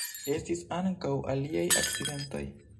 Estis ankaŭ aliaj akcidentoj.